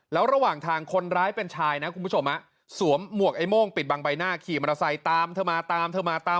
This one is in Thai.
แล้วระหว่างทางคนร้ายเป็นชายนะคุณผู้ชมสวมหมวกไอ้โม่งปิดบังใบหน้าขี่มอเตอร์ไซค์ตามเธอมาตามเธอมาตาม